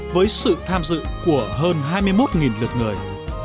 với sự tham dự của hơn hai mươi một lượt người